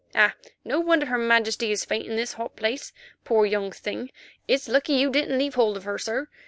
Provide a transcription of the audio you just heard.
Ah! no wonder her Majesty is faint in this hot place, poor young thing. It's lucky you didn't leave hold of her, sir.